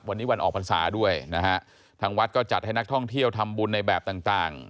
วันนี้วันออกพรรษาด้วยนะฮะทางวัดก็จัดให้นักท่องเที่ยวทำบุญในแบบต่างต่าง